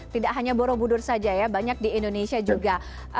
tidak hanya borobudur saja ya banyak di indonesia juga